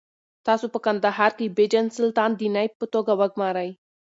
تاسو په کندهار کې بېجن سلطان د نایب په توګه وګمارئ.